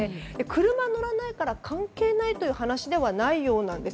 車乗らないから関係ないという話ではないようなんです。